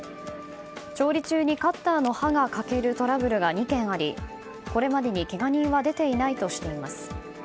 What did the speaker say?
調理中にカッターの刃が欠けるトラブルが２件あり、これまでにけが人は出ていないとしています。